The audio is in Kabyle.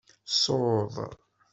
Suḍ.